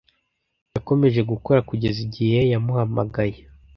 Yakomeje gukora kugeza igihe yamuhamagaye.